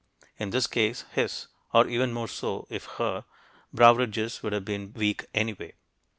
In this case, his (or even more so, if her) brow ridges would have been weak anyway.